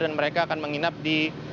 dan mereka akan menginap di